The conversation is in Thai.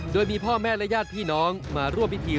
โดยมีพ่อแม่และญาติพี่น้องมาร่วมพิธี